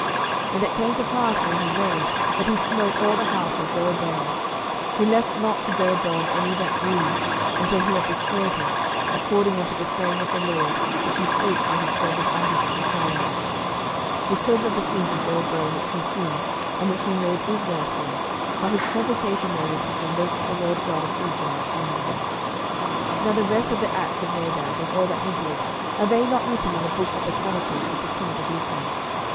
11:015:029 And it came to pass, when he reigned, that he smote all the house of Jeroboam; he left not to Jeroboam any that breathed, until he had destroyed him, according unto the saying of the LORD, which he spake by his servant Ahijah the Shilonite: 11:015:030 Because of the sins of Jeroboam which he sinned, and which he made Israel sin, by his provocation wherewith he provoked the LORD God of Israel to anger. 11:015:031 Now the rest of the acts of Nadab, and all that he did, are they not written in the book of the chronicles of the kings of Israel?